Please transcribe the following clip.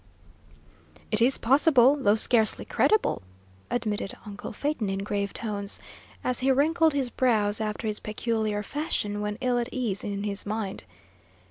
"It is possible, though scarcely credible," admitted uncle Phaeton, in grave tones, as he wrinkled his brows after his peculiar fashion when ill at ease in his mind.